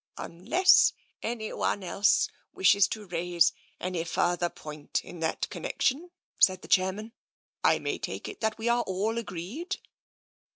" Unless anyone else wishes to raise any further point in that connection," said the chairman, " I may take it that we are all agreed